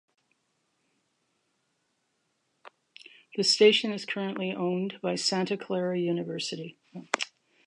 The station is currently owned by Santa Clara University.